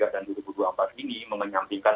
dan dua ribu dua puluh empat ini menyampingkan